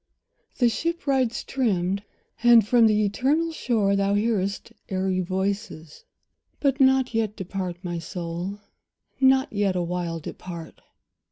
The ship rides trimmed, and from the eternal shore Thou hearest airy voices; but not yet Depart, my soul, not yet awhile depart.